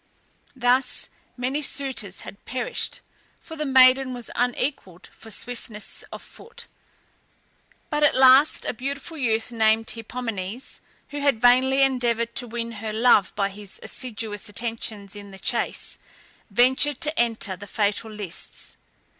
Thus many suitors had perished, for the maiden was unequalled for swiftness of foot, but at last a beautiful youth, named Hippomenes, who had vainly endeavoured to win her love by his assiduous attentions in the chase, ventured to enter the fatal lists.